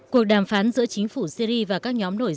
cuộc đàm phán giữa chính phủ syri và các nhóm quốc tế